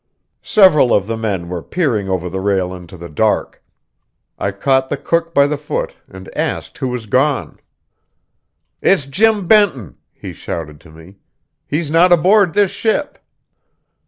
Several of the men were peering over the rail into the dark. I caught the cook by the foot, and asked who was gone. "It's Jim Benton," he shouted down to me. "He's not aboard this ship!"